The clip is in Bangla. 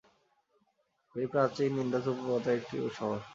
এটি প্রাচীন ইন্দাস উপত্যকা সভ্যতার একটি শহর।